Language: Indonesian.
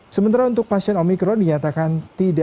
sementara untuk pasien omikron dinyatakan tidak